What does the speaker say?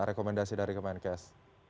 rekomendasi dari kemenkes